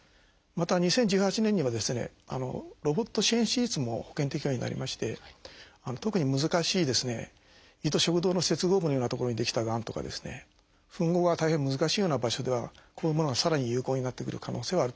また２０１８年にはロボット支援手術も保険適用になりまして特に難しい胃と食道の接合部のような所に出来たがんとか吻合が大変難しいような場所ではこういうものがさらに有効になってくる可能性はあると思います。